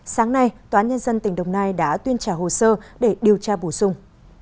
sáng nay tòa nhân dân tỉnh đồng nai đã tuyên trả hồ sơ để điều tra bổ sung